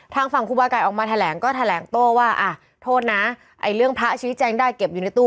ทางฝั่งครูบาไก่ออกมาแถลงก็แถลงโต้ว่าอ่ะโทษนะไอ้เรื่องพระชี้แจงได้เก็บอยู่ในตู้